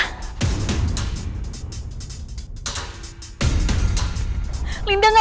tunggu sebentar pak